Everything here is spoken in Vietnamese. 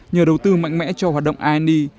nhờ đầu tư mạnh mẽ cho hoạt động i e